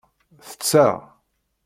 Tetteɣ.